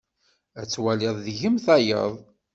Ad twaliɣ deg-m tayeḍ.